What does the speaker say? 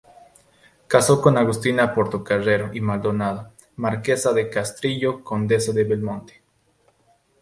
Casó con Agustina Portocarrero y Maldonado, marquesa de Castrillo, condesa de Belmonte.